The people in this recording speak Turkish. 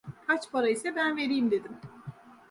"Kaç para ise ben vereyim!" dedim.